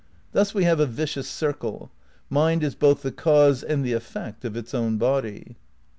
Thus we have a vicious circle. Mind is both the cause and the effect of its own body.